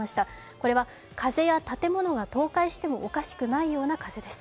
これは風や建物が倒壊してもおかしくないような風です。